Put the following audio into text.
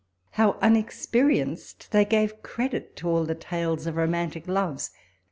how unexperienced they gave credit to all. the tales of romantic loves !